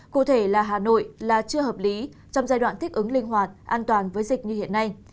cụ thể là hà nội là chưa hợp lý trong giai đoạn thích ứng linh hoạt an toàn với dịch như hiện nay